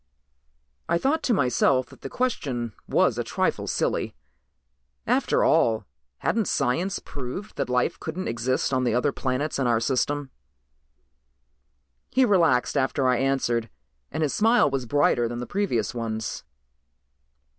I thought to myself that the question was a trifle silly; after all, hadn't science proved that life couldn't exist on the other planets in our system? He relaxed after I answered and his smile was brighter than the previous ones.